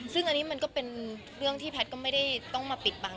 ซึ่งอันนี้มันก็เป็นเรื่องที่แพทย์ก็ไม่ได้ต้องมาปิดบัง